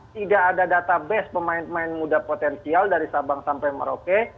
tidak ada database pemain pemain muda potensial dari sabang sampai merauke